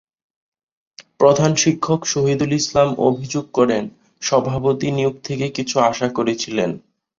প্রধান শিক্ষক শহিদুল ইসলাম অভিযোগ করেন, সভাপতি নিয়োগ থেকে কিছু আশা করেছিলেন।